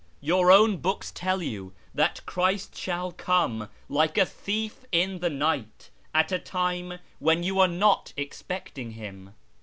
Your own books tell you that Christ shall come ' like a thief in the night,' at a time when you are not expecting Him."